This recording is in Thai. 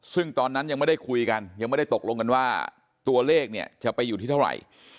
ซึ่งตอนนั้นยังไม่ได้คุยกันยังไม่ได้ตกลงกันว่าตัวเลขเนี่ยจะไปอยู่ที่เท่าไหร่